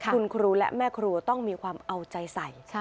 คุณครูและแม่ครูมีความเอาใจใส่